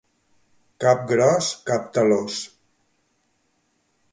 Cap gros, cap talòs.